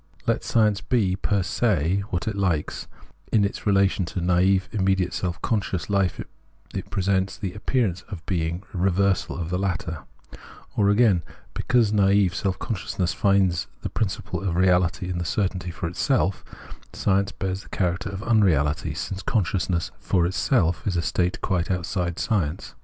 Let science be fcr se what it likes, in its relation to naive immediate self conscious life it presents the ap pearance of being a reversal of the latter ; or, again, because naive self consciousness finds the principle of its reahty in the certainty of itself, science bears the character of unreality, since consciousness ' for itself ' is a state quite outside of science.